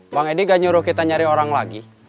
bang edi gak nyuruh kita nyari orang lagi